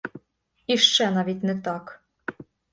І ще навіть не так.